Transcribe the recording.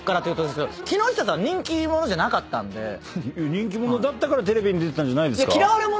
⁉人気者だったからテレビに出てたんじゃないですか？